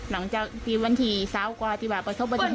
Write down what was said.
หลังจากที่วันที่๓๔ประชาปัจจังงาน